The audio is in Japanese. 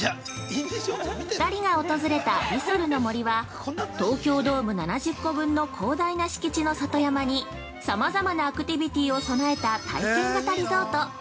◆２人が訪れたのは、リソルの森は東京ドーム７０個分の広大な敷地の里山に様々なアクティビティを備えた体験型リゾート。